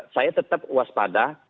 saya tetap waspada